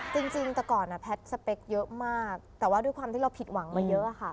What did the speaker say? จริงแต่ก่อนแพทย์สเปคเยอะมากแต่ว่าด้วยความที่เราผิดหวังมาเยอะค่ะ